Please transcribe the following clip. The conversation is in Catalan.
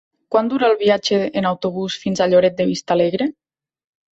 Quant dura el viatge en autobús fins a Lloret de Vistalegre?